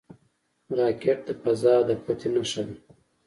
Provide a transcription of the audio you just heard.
راکټ د فضا د فتح نښه ده